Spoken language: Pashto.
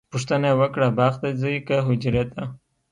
پوښتنه یې وکړه باغ ته ځئ که حجرې ته؟